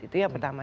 itu ya pertama